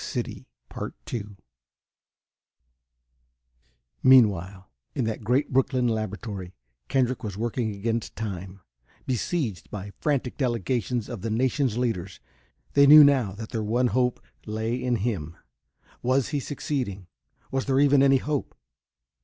Meanwhile, in that great Brooklyn laboratory, Kendrick was working against time, besieged by frantic delegations of the nation's leaders. They knew now that their one hope lay in him. Was he succeeding? Was there even any hope?